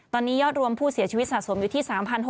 ตอนนี้ยอดรวมผู้เสียชีวิตสะสมอยู่ที่๓๖๐